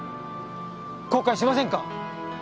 後悔しませんか？